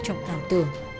trọng tạo tường